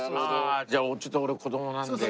じゃあちょっと俺子供なんで。